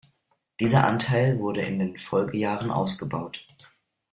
Dieser Anteil wurde in den Folgejahren ausgebaut.